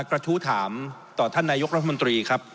กระทู้ถามต่อท่านนายกรัฐมนตรีครับ